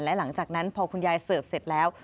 และหลังจากนั้นพอคุณยายเสิร์ฟเสร็จแล้ว